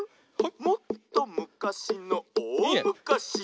「もっとむかしのおおむかし」